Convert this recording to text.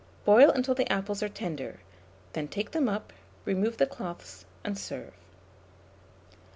Boil until the apples are tender; then take them up, remove the cloths, and serve.